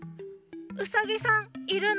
ウサギさんいるの？